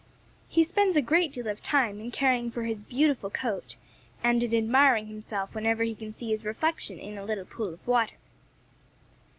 He spends a great deal of time in caring for his beautiful coat and in admiring himself whenever he can see his reflection in a little pool of water.